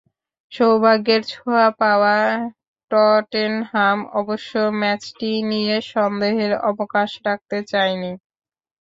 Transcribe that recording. সৌভাগ্যের ছোঁয়া পাওয়া টটেনহাম অবশ্য ম্যাচটি নিয়ে সন্দেহের অবকাশ রাখতে চায়নি।